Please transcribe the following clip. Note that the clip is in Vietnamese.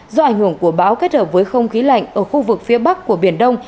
do ảnh hưởng của bão kết hợp với không khí lạnh ở khu vực phía bắc của biển đông